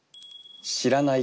「知らない子」。